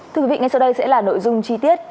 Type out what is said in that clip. thưa quý vị ngay sau đây sẽ là nội dung chi tiết